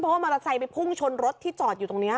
เพราะว่ามอเตอร์ไซค์ไปพุ่งชนรถที่จอดอยู่ตรงนี้